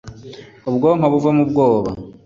ubwonko buvemo ubwoba